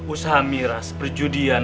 usaha miras perjudian